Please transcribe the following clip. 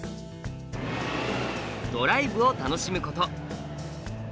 ドライブを楽しむこと。